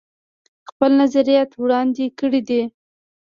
خپل نظريات وړاندې کړي دي